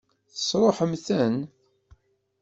Tesṛuḥem-ten?